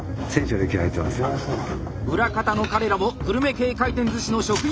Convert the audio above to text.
裏方の彼らもグルメ系回転寿司の職人たち。